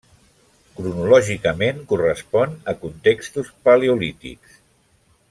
Cronològicament correspon a contextos paleolítics.